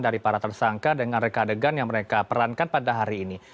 dari para tersangka dengan rekadegan yang mereka perankan pada hari ini